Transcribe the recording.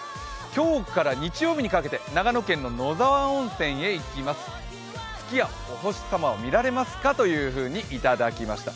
今日から日曜日にかけて長野県の野沢温泉へ行きます、月やお星様を見られますか？というふうにいただきました。